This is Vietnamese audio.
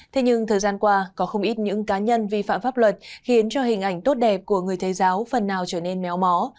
thế nhưng thời gian qua có không ít những cá nhân vi phạm pháp luật khiến cho hình ảnh tốt đẹp của người thầy giáo phần nào trở nên méo mó